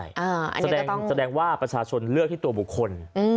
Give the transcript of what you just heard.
แสดงว่าประชาชนเลือกที่ตัวบุคคล